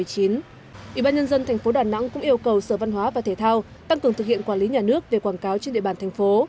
ủy ban nhân dân thành phố đà nẵng cũng yêu cầu sở văn hóa và thể thao tăng cường thực hiện quản lý nhà nước về quảng cáo trên địa bàn thành phố